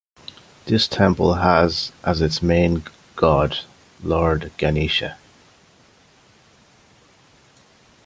This temple has as its main god Lord Ganesha.